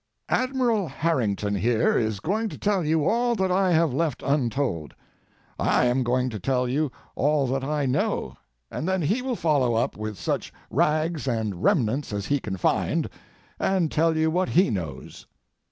Admiral Harrington here is going to tell you all that I have left untold. I am going to tell you all that I know, and then he will follow up with such rags and remnants as he can find, and tell you what he knows.